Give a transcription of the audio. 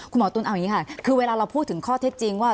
คุณหมอตุ๋นเอาอย่างนี้ค่ะคือเวลาเราพูดถึงข้อเท็จจริงว่า